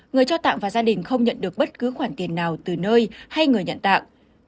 người cho tặng và gia đình không nhận được bất cứ khoản tiền nào từ nơi hay người nhận tạng